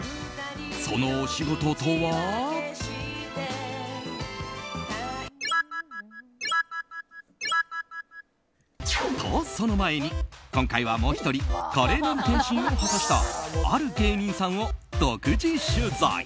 そのお仕事とは。とその前に今回は、もう１人華麗なる転身を果たしたある芸人さんを独自取材。